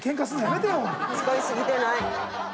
使いすぎてない。